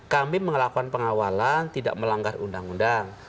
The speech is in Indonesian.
kami melakukan pengawalan tidak melanggar undang undang